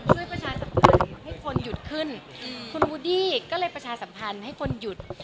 ประชาสัมพันธ์ให้คนหยุดขึ้นคุณวูดดี้ก็เลยประชาสัมพันธ์ให้คนหยุด